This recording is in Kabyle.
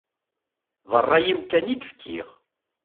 D ṛṛay-iw kan i d-fkiɣ.